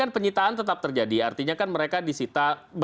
kita beri nasihat